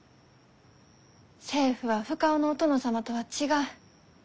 政府は深尾のお殿様とは違う。